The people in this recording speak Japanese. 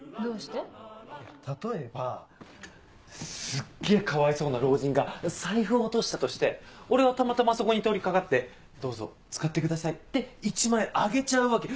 すっげぇかわいそうな老人が財布を落としたとして俺はたまたまそこに通り掛かって「どうぞ使ってください」って１万円あげちゃうわけ。